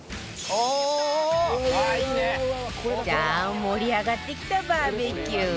さあ盛り上がってきたバーベキュー